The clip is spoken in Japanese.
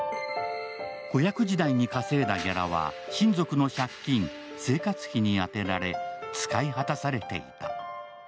子役時代に稼いだギャラは親族の借金、生活費に充てられ使い果たされていた。